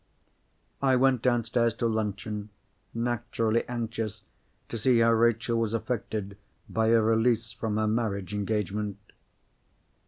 I went downstairs to luncheon, naturally anxious to see how Rachel was affected by her release from her marriage engagement.